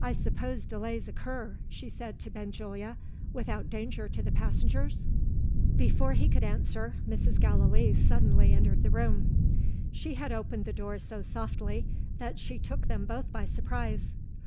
"I suppose delays occur," she said to Benjulia, "without danger to the passengers?" Before he could answer Mrs. Gallilee suddenly entered the room. She had opened the door so softly, that she took them both by surprise.